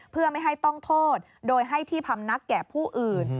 เพื่อไม่ให้ต้องโทษโดยให้ที่พำนักแก่ผู้อื่น